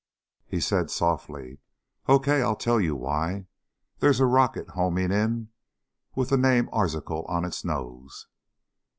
He said softly: "Okay, I'll tell you why. There's a rocket homing in with the name Arzachel on its nose."